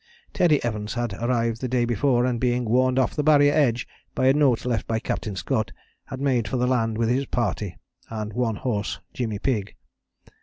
Teddy Evans had arrived the day before, and, being warned off the Barrier edge by a note left by Captain Scott, had made for the land with his party, and one horse Jimmy Pigg.